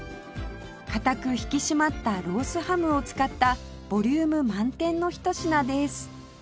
かたく引き締まったロースハムを使ったボリューム満点の一品です